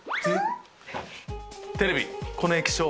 テレビ、この液晶。